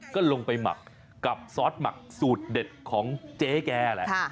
ก็ลงไปหมักกับซอสหมักสูตรเด็ดของเจ๊แกแหละ